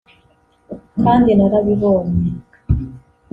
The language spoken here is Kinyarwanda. kandi narabibonye